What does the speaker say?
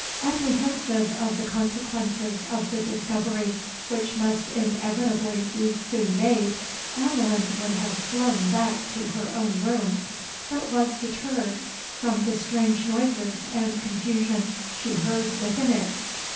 Apprehensive of the consequences of the discovery which must inevitably be soon made, Aveline would have flown back to her own room, but was deterred, from the strange noises and confusion she heard within it.